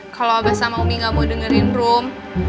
kalo abah sama umi gak mau dengerin rum